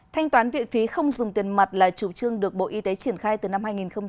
thanh toán viện phí không dùng tiền mặt là chủ trương được bộ y tế triển khai từ năm hai nghìn một mươi năm